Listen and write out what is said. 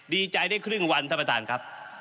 ดีใจได้ครึ่งวันท่านประธานครับ